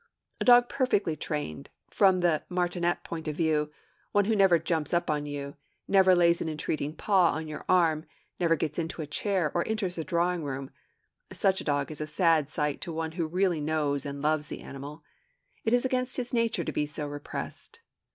A dog perfectly trained, from the martinet point of view, one who never 'jumps up' on you, never lays an entreating paw on your arm, never gets into a chair, or enters the drawing room, such a dog is a sad sight to one who really knows and loves the animal. It is against his nature to be so repressed.